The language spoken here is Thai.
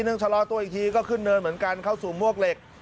ชะลอตัวอีกทีก็ขึ้นเนินเหมือนกันเข้าสู่มวกเหล็ก